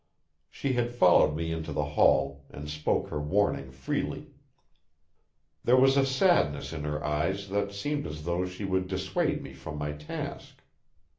She had followed me into the hall, and spoke her warning freely. There was a sadness in her eyes that seemed as though she would dissuade me from my task.